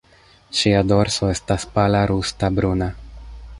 Ŝia dorso estas pala rusta-bruna.